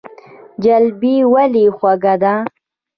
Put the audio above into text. جلبي ولې خوږه ده؟